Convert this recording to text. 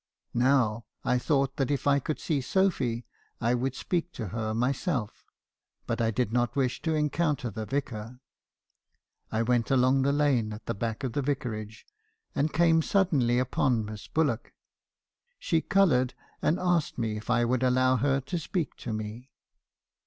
Now, I thought that if I could see Sophy, I would speak to her myself; but I did not wish to encounter the Vicar. I went along the lane at the back of the Vicarage , and came suddenly upon Miss Bullock. She coloured, and asked me if I would al low her to speak to me.